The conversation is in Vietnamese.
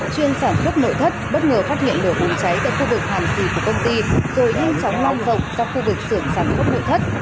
chuyên sản xuất nội thất bất ngờ phát hiện lửa bùng cháy tại khu vực hàn xì của công ty rồi nhanh chóng lan rộng ra khu vực xưởng sản xuất nội thất